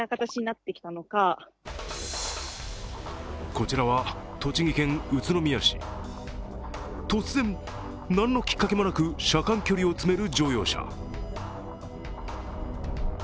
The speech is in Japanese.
こちらは栃木県宇都宮市、突然、何のきっかけもなく車間距離を詰める乗用車。